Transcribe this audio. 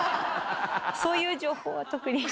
そういう情報は特に。